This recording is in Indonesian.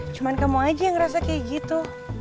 cuma kamu aja yang ngerasa kayak gitu